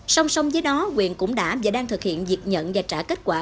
song song với đó quyền cũng đã và đang thực hiện việc nhận và trả kết quả